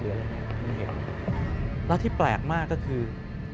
แล้วที่แปลกมากก็คือ